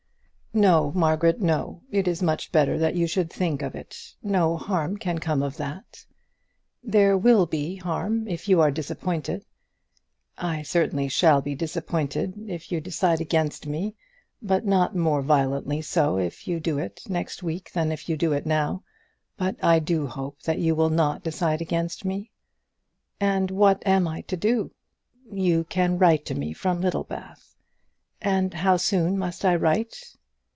"No, Margaret, no. It is much better that you should think of it. No harm can come of that." "There will be harm if you are disappointed." "I certainly shall be disappointed if you decide against me; but not more violently so, if you do it next week than if you do it now. But I do hope that you will not decide against me." "And what am I to do?" "You can write to me from Littlebath." "And how soon must I write?"